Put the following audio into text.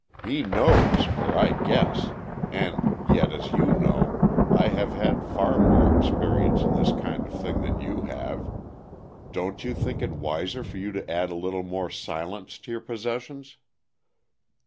He knows where I guess, and yet as you know, I have had far more experience in this kind of thing than you have. Don't you think it wiser for you to add a little more silence to your possessions?"